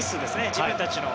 自分たちの。